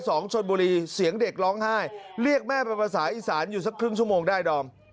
ชนบุรีเสียงเด็กร้องไห้เรียกแม่เป็นภาษาอีสานอยู่สักครึ่งชั่วโมงได้ดอม